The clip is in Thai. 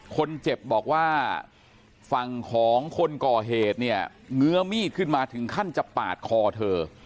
คนเจ็บบอกว่าฝั่งของคนก่อเหตุเนี่ยเงื้อมีดขึ้นมาถึงขั้นจะปาดคอเธอ